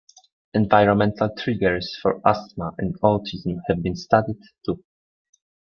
Environmental triggers for asthma and autism have been studied too.